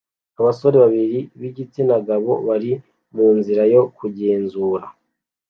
Abasore babiri b'igitsina gabo bari munzira yo kugenzura